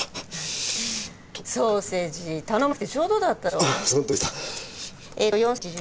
ソーセージ頼まなくてちょうどだったでしょ。